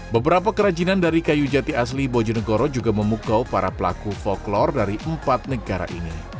beberapa kerajinan dari kayu jati asli bojonegoro juga memukau para pelaku folklor dari empat negara ini